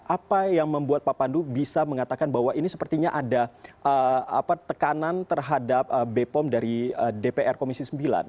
apa yang membuat pak pandu bisa mengatakan bahwa ini sepertinya ada tekanan terhadap bepom dari dpr komisi sembilan